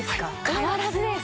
変わらずです。